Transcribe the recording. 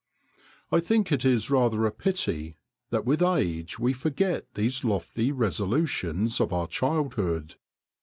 I think it is rather a pity that with age we forget these lofty resolutions of our childhood.